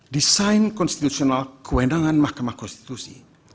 desain konstitusional kewenangan mahkamah konstitusi